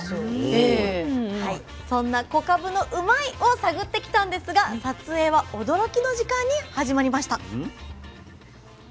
そんな小かぶのうまいッ！を探ってきたんですが撮影は驚きの時間に始まりました。